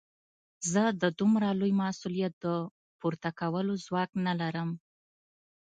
زه د دومره لوی مسوليت د پورته کولو ځواک نه لرم.